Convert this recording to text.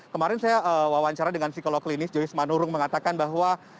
kemarin saya wawancara dengan psikolog klinis joyce manurung mengatakan bahwa